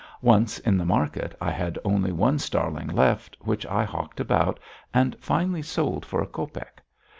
Once in the market I had only one starling left, which I hawked about and finally sold for a copeck.